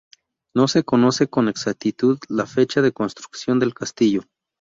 No se conoce con exactitud la fecha de construcción del castillo.